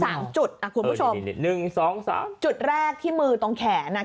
จุดอ่ะคุณผู้ชมนี่หนึ่งสองสามจุดแรกที่มือตรงแขนอ่ะ